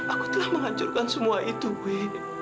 aku telah menghancurkan semua itu win